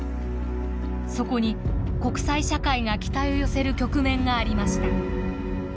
そこに国際社会が期待を寄せる局面がありました。